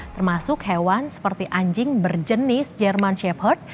termasuk hewan seperti anjing berjenis german shepherd